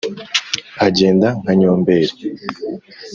agenda nka nyomberi